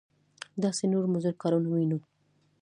داسې نور مضر کارونه وینو.